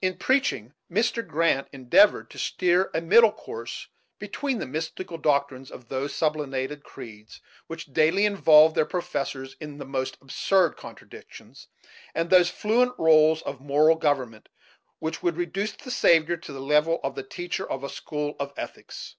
In preaching, Mr. Grant endeavored to steer a middle course between the mystical doctrines of those sublimated creeds which daily involve their professors in the most absurd contradictions, and those fluent roles of moral government which would reduce the Saviour to a level with the teacher of a school of ethics.